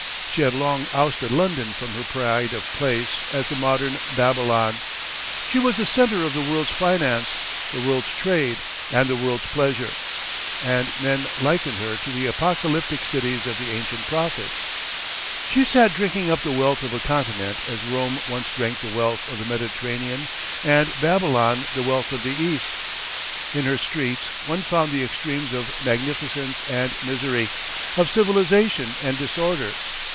She had long ousted London from her pride of place as the modern Babylon, she was the centre of the world's finance, the world's trade, and the world's pleasure; and men likened her to the apocalyptic cities of the ancient prophets. She sat drinking up the wealth of a continent as Rome once drank the wealth of the Mediterranean and Babylon the wealth of the east. In her streets one found the extremes of magnificence and misery, of civilisation and disorder.